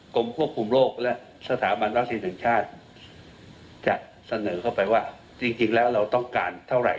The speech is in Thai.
กรมควบคุมโรคและสถาบันวัคซีนแห่งชาติจะเสนอเข้าไปว่าจริงแล้วเราต้องการเท่าไหร่